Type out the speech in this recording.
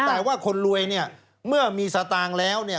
แต่ว่าคนรวยเนี่ยเมื่อมีสตางค์แล้วเนี่ย